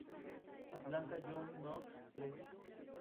Atlanta: John Knox Press.